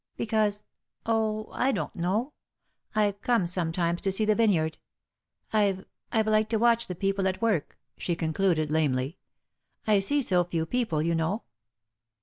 "Because oh, I don't know! I've come sometimes to see the vineyard. I've I've liked to watch the people at work," she concluded, lamely. "I see so few people, you know."